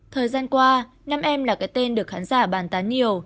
thời gian qua năm em là cái tên được khán giả bàn tán nhiều